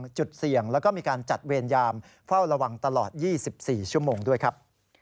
จุดเสี่ยงแล้วก็มีการจัดเวรยามเฝ้าระวังตลอด๒๔ชั่วโมงด้วยครับ